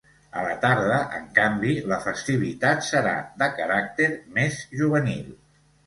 A la tarda, en canvi, la festivitat serà de caràcter més juvenil.